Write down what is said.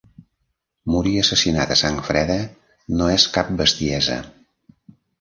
Morir assassinat a sang freda no és cap bestiesa.